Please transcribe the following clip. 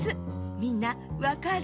みんなわかる？